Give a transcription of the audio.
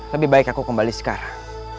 lebih baik aku kembali sekarang